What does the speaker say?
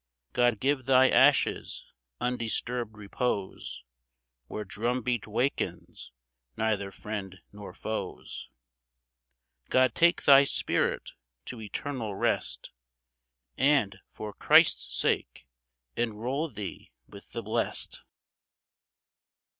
God give thy ashes undisturbed repose Where drum beat wakens neither friend nor foes ; God take thy spirit to eternal rest, And, for Christ's sake, enroll thee with the blest